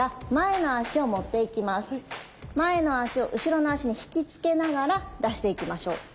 前の足を後ろの足に引き付けながら出していきましょう。